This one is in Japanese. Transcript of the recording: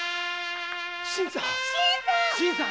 新さん？